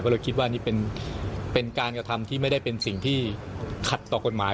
ก็เลยคิดว่านี่เป็นการกระทำที่ไม่ได้เป็นสิ่งที่ขัดต่อกฎหมาย